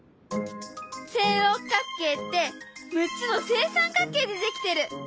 正六角形って６つの正三角形で出来てる！